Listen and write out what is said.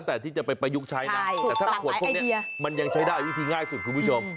แต่ถ้าขวดพวกนี้มันยังใช้ได้วิธีง่ายสุดคุณผู้ชม